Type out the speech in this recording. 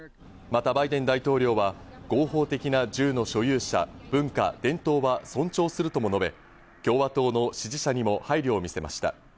またバイデン大統領は合法的な銃の所有者、文化・伝統は尊重するとも述べ、共和党の支持者にも配慮をみせました。